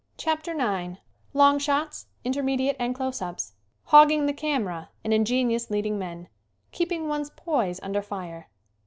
CHAPTER IX Long shots, intermediates and close ups "Hogging the camera" and ingenious leading men Keeping one's poise under fire.